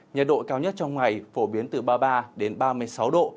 nhiệt độ cao nhất trong ngày phổ biến từ ba mươi ba đến ba mươi sáu độ